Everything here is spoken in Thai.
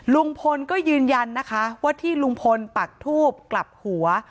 ลุงพลก็ยืนยันนะคะว่าที่ลุงพลปักทูบกลับหัว